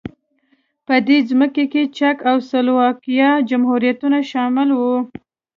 په دې ځمکو کې چک او سلواکیا جمهوریتونه شامل وو.